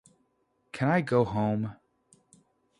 Can I go home?